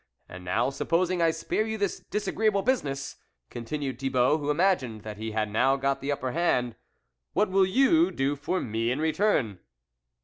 And now supposing I spare you this disagreeable business," continued Thibault, who imagined that he had now got the upper hand, "what will you do for me in return